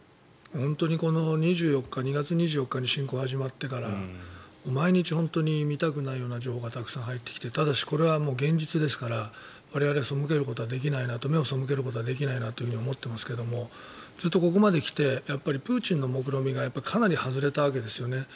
本当に２月２４日に侵攻が始まってから毎日本当に見たくないような情報がたくさん入ってきてただし、これは現実ですから我々は目をそむけることはできないなと思っていますけれどずっとここまで来てやっぱりプーチンのもくろみがかなり外れたわけですね。